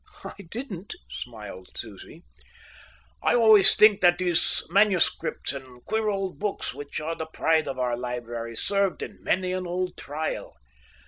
"I didn't," smiled Susie. "I always think that these manuscripts and queer old books, which are the pride of our library, served in many an old trial.